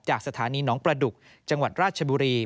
จากสถานีหนองประดุกจังหวัดราชบุรี